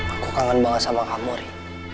aku kangen banget sama kamu ri